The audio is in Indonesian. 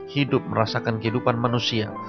hidup merasakan kehidupan manusia